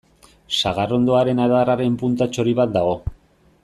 Sagarrondoaren adarraren punta txori bat dago.